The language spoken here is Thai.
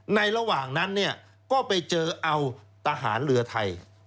ในระหว่างนั้นก็ไปเจอเอาทหารเรือไทย